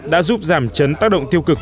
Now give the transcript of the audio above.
đã giúp giảm chấn tác động tiêu cực